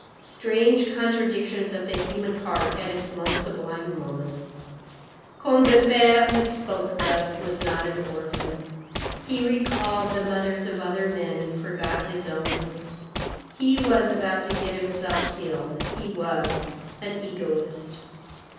Strange contradictions of the human heart at its most sublime moments. Combeferre, who spoke thus, was not an orphan. He recalled the mothers of other men, and forgot his own. He was about to get himself killed. He was "an egoist."